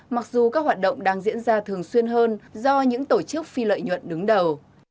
mặc dù các hoạt động đang diễn ra thường xuyên hơn do những tổ chức phi lợi nhuận đứng đầu